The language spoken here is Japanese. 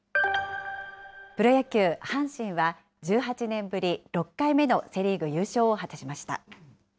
プロ野球・阪神は、１８年ぶり６回目のセ・リーグ優勝を果たしました。